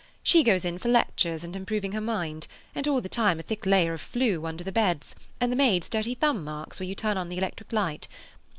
She goes in for lectures and improving her mind, and all the time a thick layer of flue under the beds, and the maid's dirty thumb marks where you turn on the electric light.